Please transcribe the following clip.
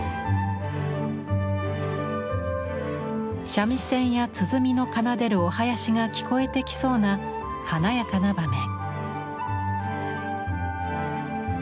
三味線や鼓の奏でるお囃子が聞こえてきそうな華やかな場面。